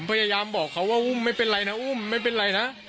พยายามบอกเขาว่าอุ้มไม่เป็นไรนะอุ้มไม่เป็นไรนะ